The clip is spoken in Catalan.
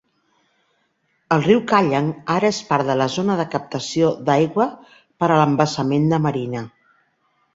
El riu Kallang ara és part de la zona de captació d'aigua per a l'embassament de Marina.